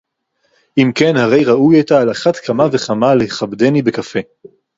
אם כן, הרי ראוי אתה על אחת כמה וכמה לכבדני בקפה.